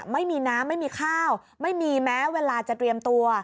ไม่มีน้ำไม่มีข้าวไม่มีแม้เวลาจะเตรียมตัว